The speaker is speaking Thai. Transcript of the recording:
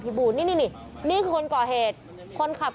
เพราะถูกทำร้ายเหมือนการบาดเจ็บเนื้อตัวมีแผลถลอก